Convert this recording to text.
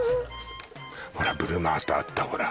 ほらブルマートあったほら